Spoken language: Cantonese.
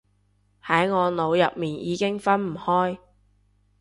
喺我腦入面已經分唔開